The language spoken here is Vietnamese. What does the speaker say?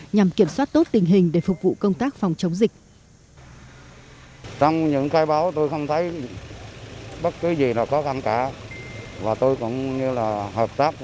nhằm kiểm soát tốt tình hình để phục vụ công tác phòng chống dịch